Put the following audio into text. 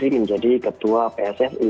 menjadi ketua pssi